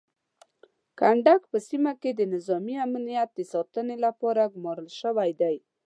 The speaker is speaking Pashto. کنډک په سیمه کې د نظامي امنیت د ساتنې لپاره ګمارل شوی دی.